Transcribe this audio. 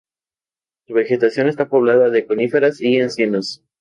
Su vegetación está poblada de coníferas y encinos.